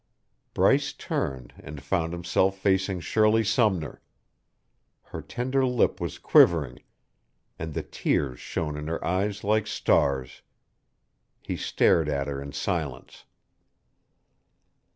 Bryce turned and found himself facing Shirley Sumner. Her tender lip was quivering, and the tears shone in her eyes like stars. He stared at her in silence.